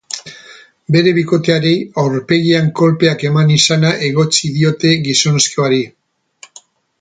Bere bikoteari aurpegian kolpeak eman izana egotzi diote gizonezkoari.